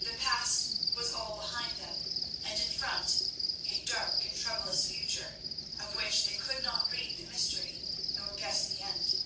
That past was all behind them, and in front a dark and troublous future, of which they could not read the mystery nor guess the end.